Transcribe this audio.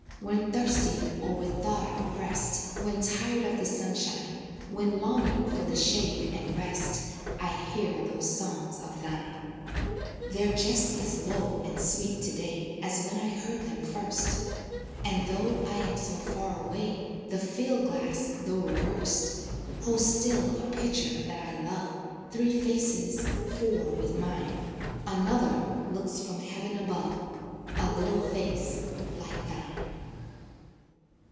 When thirsty or with thought oppressed, When tired of the sunshine, When longing for the shade and rest, I hear those songs of thine. They're just as low and sweet to day As when I heard them first; And though I am so far away, The field glass though reversed, Holds still a picture that I love, Three faces four with mine Another looks from heaven above, A little face like thine.